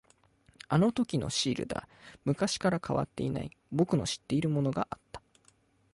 あのときのシールだ。昔から変わっていない、僕の知っているものがあった。